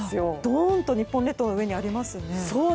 どーんと日本列島の上にありますね。